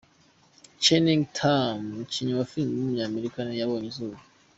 Channing Tatum, umukinnyi wa filime w’umunyamerika yabonye izuba.